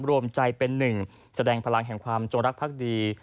รวมใจเป็นหนึ่งแสดงพลังแห่งความจงรักภักดี